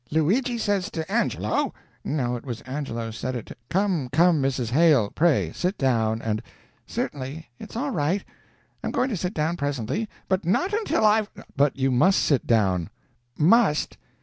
Luigi says to Angelo no, it was Angelo said it to " "Come, come, Mrs. Hale, pray sit down, and " "Certainly, it's all right, I'm going to sit down presently, but not until I've " "But you must sit down!" "Must!